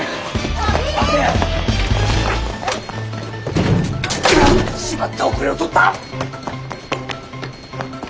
待て！しまった後れを取った！